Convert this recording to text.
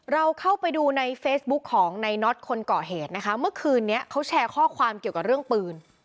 เราเข้าไปดูในเฟซบุ๊คของในน็อตคนก่อเหตุนะคะเมื่อคืนนี้เขาแชร์ข้อความเกี่ยวกับเรื่องปืน